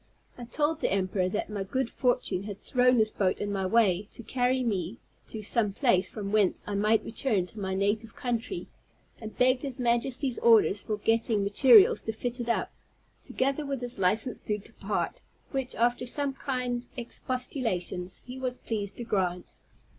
I told the emperor that my good fortune had thrown this boat in my way, to carry me to some place from whence I might return into my native country, and begged his Majesty's orders for getting materials to fit it up, together with his licence to depart, which, after some kind expostulations, he was pleased to grant.